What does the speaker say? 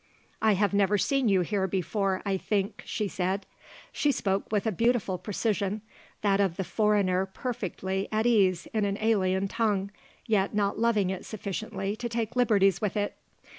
"I have never seen you here before, I think," she said. She spoke with a beautiful precision; that of the foreigner perfectly at ease in an alien tongue, yet not loving it sufficiently to take liberties with it.